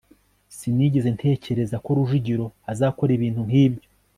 sinigeze ntekereza ko rujugiro azakora ibintu nkibyo